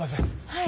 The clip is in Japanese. はい。